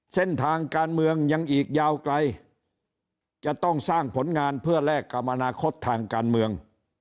เส้นทางการเมืองยังอีกยาวไกลจะต้องสร้างผลงานเพื่อแลกกับอนาคตทางการเมือง